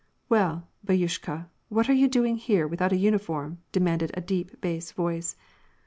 " Well, bdtyushka, what are you doing here without a uni form ?" demanded a deep bass voice.